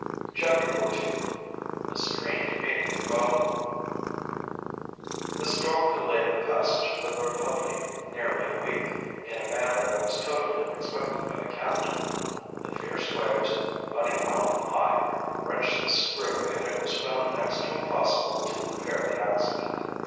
CHAPTER XIV A STRANGE MEETING IN BOMA The storm delayed the passage of the Republique nearly a week, in a manner that was totally unexpected by the captain. The fierce waves, running mountain high, wrenched the screw and it was found next to impossible to repair the accident.